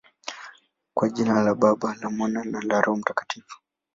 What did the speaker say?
Kwa jina la Baba, na la Mwana, na la Roho Mtakatifu.